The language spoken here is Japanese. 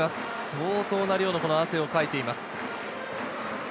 相当な量の汗をかいています。